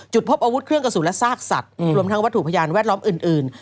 พบอาวุธเครื่องกระสุนและซากสัตว์รวมทั้งวัตถุพยานแวดล้อมอื่น